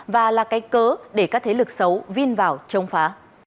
và là cái cớ để các thế lực xấu vin vào chống phá